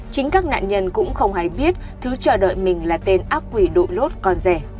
chính các nạn nhân cũng không hay biết thứ chờ đợi mình là tên ác quỷ đội lốt còn rẻ